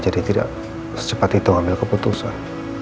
jadi tidak secepat itu ngambil keputusan